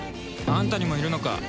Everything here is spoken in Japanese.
あんたにもいるのか？